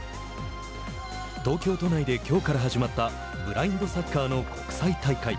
東京都内できょうから始まったブラインドサッカーの国際大会。